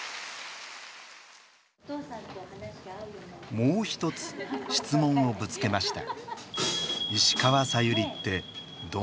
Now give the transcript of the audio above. もうひとつ質問をぶつけました。